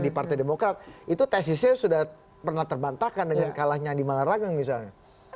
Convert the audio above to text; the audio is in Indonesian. di partai demokrat itu tesisnya sudah pernah terbantahkan dengan kalahnya andi malarangeng misalnya